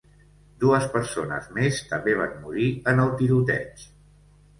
Dues persones més també van morir en el tiroteig.